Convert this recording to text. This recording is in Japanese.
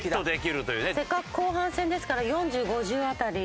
せっかく後半戦ですから４０５０辺り。